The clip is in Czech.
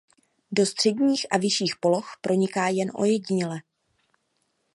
Do středních a vyšších poloh proniká jen ojediněle.